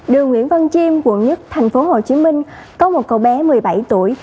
đường nguyễn văn chim quận một thành phố hồ chí minh có một cậu bé một mươi bảy tuổi